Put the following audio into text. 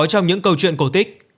trong những câu chuyện cổ tích